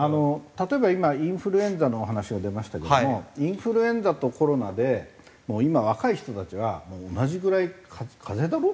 例えば今インフルエンザのお話が出ましたけどもインフルエンザとコロナで今若い人たちは同じぐらい風邪だろ？